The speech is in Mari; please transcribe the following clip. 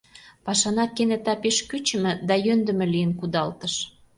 Пашана кенета пеш кӱчымӧ да йӧндымӧ лийын кудалтыш.